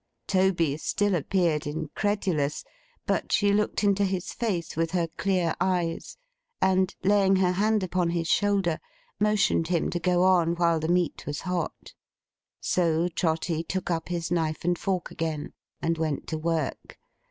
Toby still appeared incredulous; but she looked into his face with her clear eyes, and laying her hand upon his shoulder, motioned him to go on while the meat was hot. So Trotty took up his knife and fork again, and went to work.